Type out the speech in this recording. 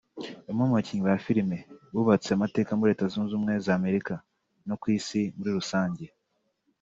umwe mu bakinnyi ba filime bubatse amateka muri Leta Zunze Ubumwe za Amerika no ku Isi muri rusange